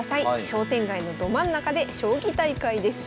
商店街のど真ん中で将棋大会です。